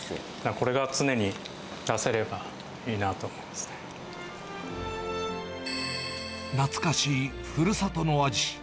これが常に出せればいいなと懐かしいふるさとの味。